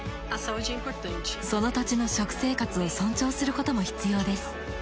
その土地の食生活を尊重することも必要です。